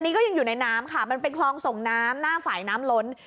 นี่ก็ยังอยู่ในน้ำค่ะมันเป็นคลองส่งน้ำหน้าฝ่ายน้ำล้น